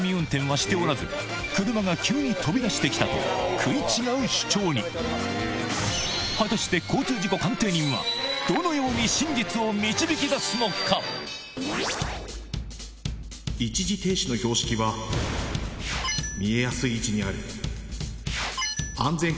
食い違う主張に果たして交通事故鑑定人は一時停止の標識は見えやすい位置にある